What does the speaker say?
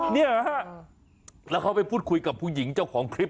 เนี่ยฮะแล้วเขาไปพูดคุยกับผู้หญิงเจ้าของคลิป